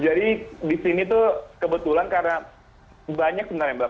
jadi di sini tuh kebetulan karena banyak sebenarnya mbak